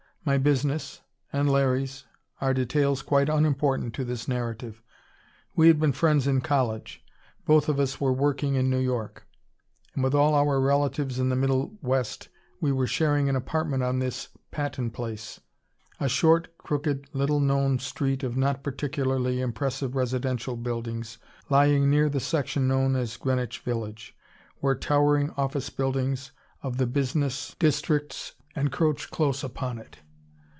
My business and Larry's are details quite unimportant to this narrative. We had been friends in college. Both of us were working in New York; and with all our relatives in the middle west we were sharing an apartment on this Patton Place a short crooked, little known street of not particularly impressive residential buildings lying near the section known as Greenwich Village, where towering office buildings of the business districts encroach close upon it.